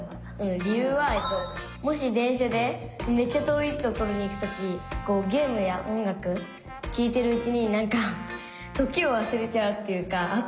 理由はもし電車でめっちゃ遠い所に行くときこうゲームや音楽聞いてるうちになんか時をわすれちゃうっていうか。